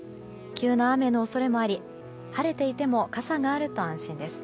急な雨の恐れもあり晴れていても傘があると安心です。